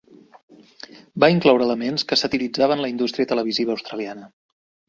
Va incloure elements que satiritzaven la indústria televisiva australiana.